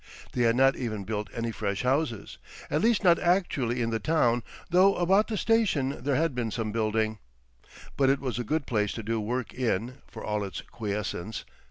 They had not even built any fresh houses—at least not actually in the town, though about the station there had been some building. But it was a good place to do work in, for all its quiescence.